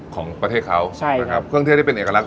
ของประเทศเขาใช่นะครับเครื่องเทศที่เป็นเอกลักษ